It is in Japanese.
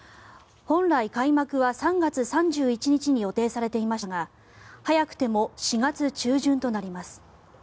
本来、開幕は３月３１日に予定されていましたが早くても４月中旬となります。